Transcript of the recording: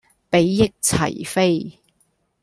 比翼齊飛